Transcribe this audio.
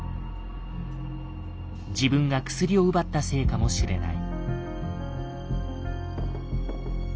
自分が薬を奪ったせいかもしれない。